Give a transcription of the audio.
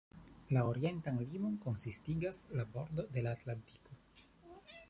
La orientan limon konsistigas la bordo de la Atlantiko.